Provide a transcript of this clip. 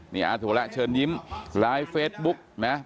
นี่อาถั่วแระเชิญยิ้มไลฟ์เฟซบุ๊กนะ